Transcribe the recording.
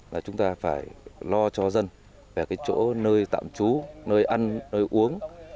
là chúng ta phải lo cho dân về cái chỗ nơi tạm trú nơi ăn nơi uống